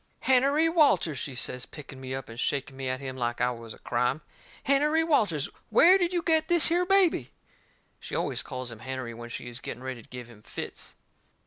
"Hennerey Walters," she says picking me up, and shaking me at him like I was a crime, "Hennerey Walters, where did you get this here baby?" She always calls him Hennerey when she is getting ready to give him fits.